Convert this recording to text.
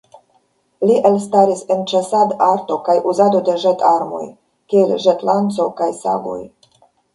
Li elstaris en ĉasad-arto kaj uzado de ĵet-armoj, kiel ĵet-lanco kaj sagoj.